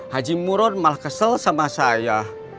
haji muron malah kesel sama saya